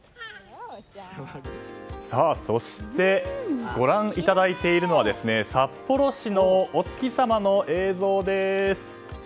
そして、ご覧いただいているのは札幌市のお月様の映像です。